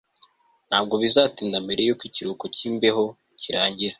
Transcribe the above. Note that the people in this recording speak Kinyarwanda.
ntabwo bizatinda mbere yuko ikiruhuko cyimbeho kirangira